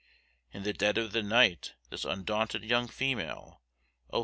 In the dead of the night this undaunted young female, Oh!